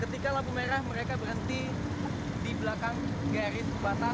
ketika lampu merah mereka berhenti di belakang garis batas